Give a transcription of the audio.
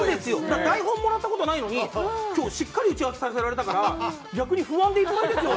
だって台本もらった事ないのに今日しっかり打ち合わせさせられたから逆に不安でいっぱいですよ